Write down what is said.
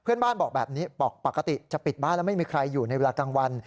บอกแบบนี้บอกปกติจะปิดบ้านแล้วไม่มีใครอยู่ในเวลากลางวัน